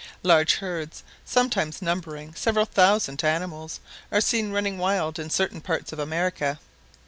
Large herds, sometimes numbering several thousand animals, are seen running wild in certain parts of America.